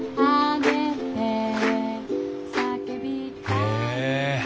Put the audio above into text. へえ。